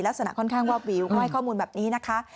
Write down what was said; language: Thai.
ลักษณะค่อนข้างวาบวิวก็ให้ข้อมูลแบบนี้นะคะ